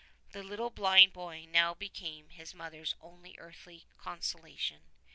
The little blind boy now became his mother's only earthly consolation.